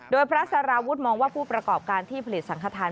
โดยพระสารวุฒิมองว่าผู้ประกอบการที่ผลิตสังขทาน